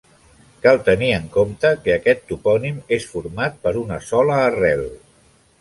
Cal tenir en compte que aquest topònim és format per una sola arrel.